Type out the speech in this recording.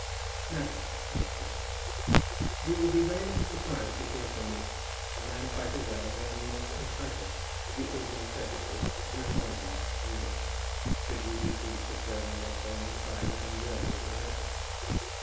"MADAM," the letter began, You will be very much surprised to hear from me, and I am quite aware that I am not entitled to the ordinary courtesy of an acknowledgment from you, should you be pleased to throw my letter on one side as unworthy of your notice.